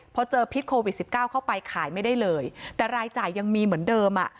พอเจอพิษโควิดสิบเก้าเข้าไปขายไม่ได้เลยแต่รายจ่ายยังมีเหมือนเดิมอ่ะ